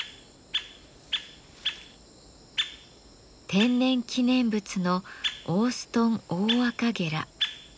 天然記念物のオーストンオオアカゲラ。